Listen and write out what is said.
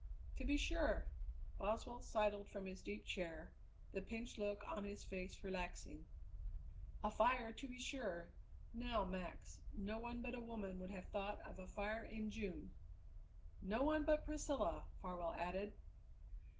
"To be sure!" Boswell sidled from his deep chair, the pinched look on his face relaxing. "A fire, to be sure. Now, Max, no one but a woman would have thought of a fire in June." "No one but Priscilla!" Farwell added.